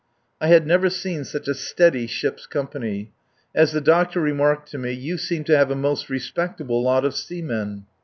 I had never seen such a steady ship's company. As the doctor remarked to me: "You seem to have a most respectable lot of seamen."